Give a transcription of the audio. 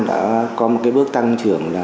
đã có một bước tăng trưởng